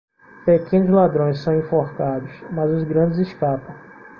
Pequenos ladrões são enforcados, mas os grandes escapam.